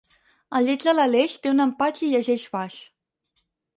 El lleig de l'Aleix té un empatx i llegeix baix.